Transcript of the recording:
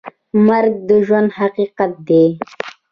مرګ د ژوند حقیقت دی